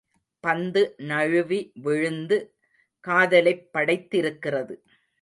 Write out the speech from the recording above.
பந்து நழுவி விழுந்து காதலைப் படைத்திருக்கிறது.